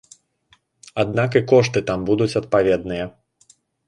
Аднак і кошты там будуць адпаведныя.